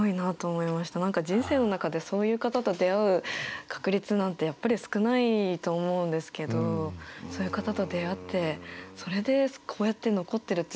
何か人生の中でそういう方と出会う確率なんてやっぱり少ないと思うんですけどそういう方と出会ってそれでこうやって残ってるっていうのがすごいなって思いました。